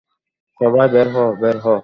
সবাই বের হও, বের হও!